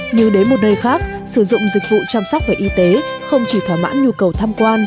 như đến một nơi khác sử dụng dịch vụ chăm sóc về y tế không chỉ thỏa mãn nhu cầu tham quan